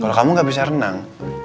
kalau kamu gak bisa renang